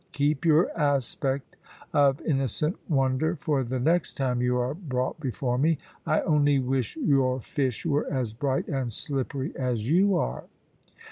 Keep your aspect of innocent wonder for the next time you are brought before me. I only wish your fish were as bright and slippery as you are."